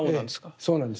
そうなんです。